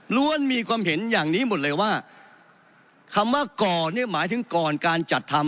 มีความเห็นอย่างนี้หมดเลยว่าคำว่าก่อเนี่ยหมายถึงก่อนการจัดทำ